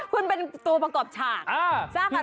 คุณเป็นตัวประกอบฉาก